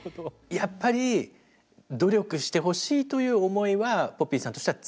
やっぱり努力してほしいという思いはポピーさんとしては強い？